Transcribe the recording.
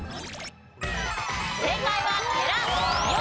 正解は「寺」。